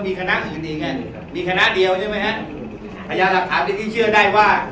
มีคณะอื่นอีกไงครับมีคณะเดียวใช่ไหมฮะพยานหลักฐานเป็นที่เชื่อได้ว่า